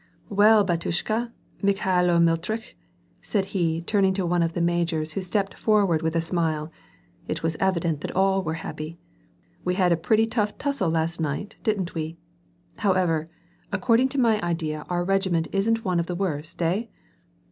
"Well, batyushka, Mikhailo Mitritch," said he turning to one of the majors, who stepped forward with a smile (it was evident that they were all happy) :" We had a pretty tough tussle last night, didn't we ? However, according to my idea our regiment isn't one of the worst, hey